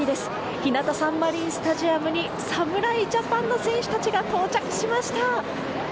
ひなたサンマリンスタジアムに侍ジャパンの選手たちが到着しました！